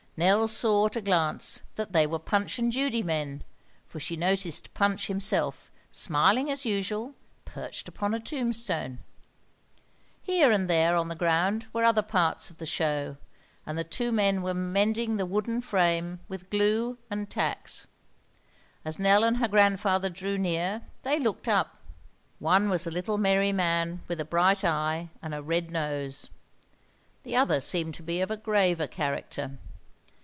Nell saw at a glance that they were Punch and Judy men, for she noticed Punch himself, smiling as usual, perched upon a tombstone. Here and there on the ground were other parts of the show, and the two men were mending the wooden frame with glue and tacks. As Nell and her grandfather drew near they looked up. One was a little merry man with a bright eye and a red nose. The other seemed to be of a graver character.